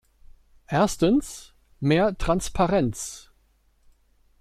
Erstens, mehr Transparenz.